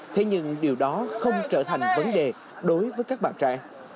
thế nhưng điều đó không trở thành vấn đề đối với các bạn trẻ